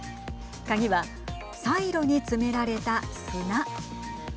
鍵はサイロに詰められた砂。